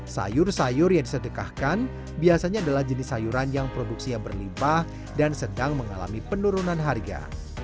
sayur sayur yang disedekahkan biasanya adalah jenis sayuran yang produksi yang berlimpah dan sedang mengalami penurunan harga